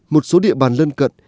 một số địa bàn lân cận